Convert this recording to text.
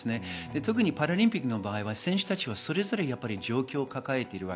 パラリンピックの場合は選手たちはそれぞれ状況を抱えています。